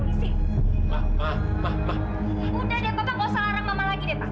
udah deh pak kok salah orang mama lagi deh pak